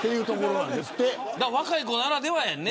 若い子ならではやんね。